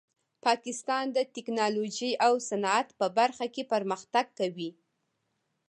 پاکستان د ټیکنالوژۍ او صنعت په برخه کې پرمختګ کوي.